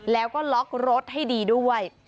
แล้วก็ล็อกรถให้ดีด้วย